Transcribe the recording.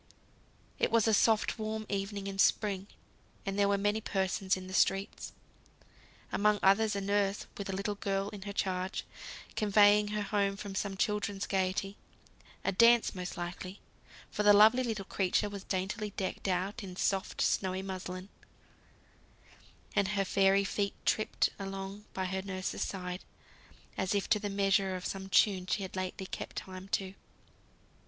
It was a warm soft evening in spring, and there were many persons in the streets. Among others, a nurse with a little girl in her charge, conveying her home from some children's gaiety; a dance most likely, for the lovely little creature was daintily decked out in soft, snowy muslin; and her fairy feet tripped along by her nurse's side as if to the measure of some tune she had lately kept time to.